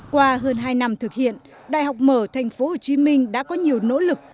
qua hơn hai năm thực hiện đại học mở tp hcm đã có nhiều nỗ lực